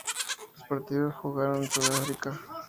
Los partidos de jugaron en Sudáfrica.